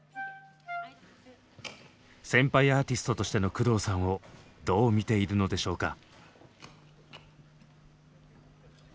先輩アーティストとしての工藤さんをどう見ているのでしょうか？